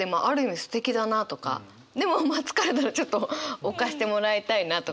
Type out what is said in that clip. でもまあ疲れたらちょっと置かしてもらいたいなとか。